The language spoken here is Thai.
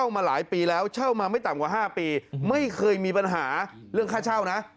ไม่เคยมีปัญหาเรื่องค่าเช่านะ